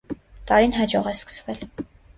Տարին հաջող է սկսվել։